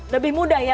lebih mudah ya